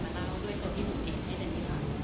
ผมไม่เคยมาตรอกกับเจนนี่มา